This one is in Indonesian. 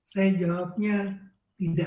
saya jawabnya tidak